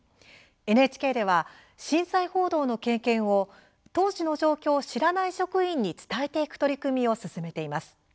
ＮＨＫでは震災報道の経験を当時の状況を知らない職員に伝えていく取り組みを進めています。